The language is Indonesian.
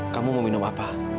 kamu mau minum apa